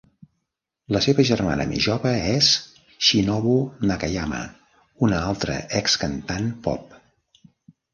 La seva germana més jove és Shinobu Nakayama, una altra excantant pop.